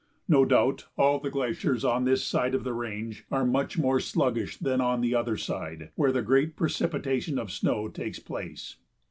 No doubt all the glaciers on this side of the range are much more sluggish than on the other side, where the great precipitation of snow takes place.